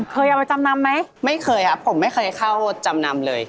เคยเอาไปจำนำไหมไม่เคยครับผมไม่เคยเข้าจำนำเลย